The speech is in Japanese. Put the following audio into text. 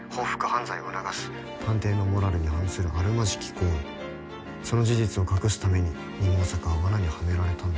犯罪を促す探偵のモラルに反するあるまじき行為」「その事実を隠すために二毛作は罠にハメられたのだ」